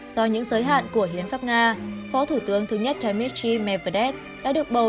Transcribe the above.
do những giới hạn của hiến pháp nga phó thủ tướng thứ nhất trái miết tri mè vật đét đã được bầu